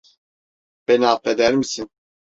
Beni affeder misin?